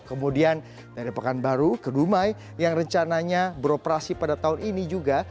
kemudian dari pekanbaru ke dumai yang rencananya beroperasi pada tahun ini juga